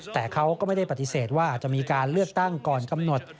แต่เขาก็ไม่ได้ปฏิเสธว่าอาจจะมีการเลือกตั้งก่อนกำหนด